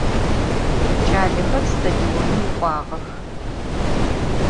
Ç'alexer stadionım k'uağex.